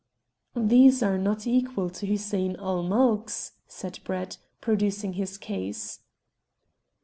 "These are not equal to Hussein ul Mulk's," said Brett, producing his case.